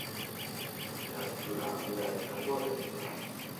Zehar txirula handiaren kasua, berezia da.